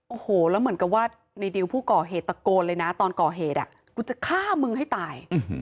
โอ้โหแล้วเหมือนกับว่าในดิวผู้ก่อเหตุตะโกนเลยนะตอนก่อเหตุกูจะฆ่ามึงให้ตาย